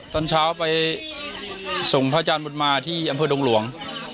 ตอนเช้าไปส่งพระอาจารย์บุญมาที่อำเภอดงหลวง